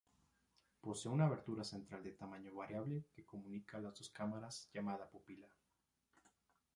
Posee una abertura central de tamaño variable que comunica las dos cámaras llamada pupila.